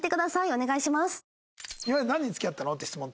お願いします。